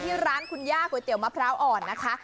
ที่ร้านคุณย่าก๋วยเตี๋ยมะพร้าวอ่อนนะคะ